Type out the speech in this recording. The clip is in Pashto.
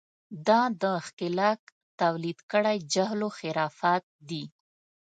دا د ښکېلاک تولید کړی جهل و خرافات دي.